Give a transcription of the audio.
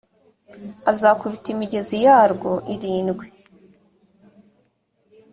azakubita imigezi yarwo irindwi